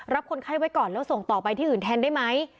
คนไข้ไว้ก่อนแล้วส่งต่อไปที่อื่นแทนได้ไหม